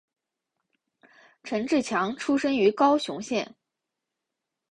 陈志强出生于高雄县。